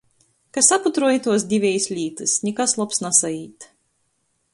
Ka saputroj ituos divejis lītys, nikas lobs nasaīt.